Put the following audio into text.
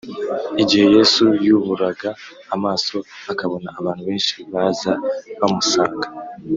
Igihe Yesu yuburaga amaso akabona abantu benshi baza bamusanga